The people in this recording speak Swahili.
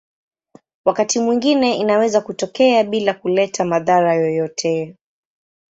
Wakati mwingine inaweza kutokea bila kuleta madhara yoyote.